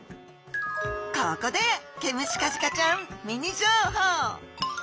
ここでケムシカジカちゃんミニ情報！